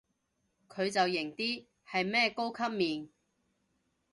佢就型啲，係咩高級面